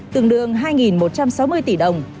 tương đương hai một trăm linh tỷ đồng